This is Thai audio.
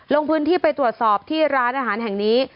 ลงพื้นที่ไปตรวจสอบที่ร้านอาหารแห่งนี้